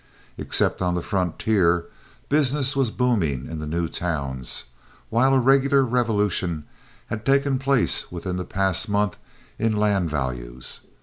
Except on the frontier, business was booming in the new towns, while a regular revolution had taken place within the past month in land values.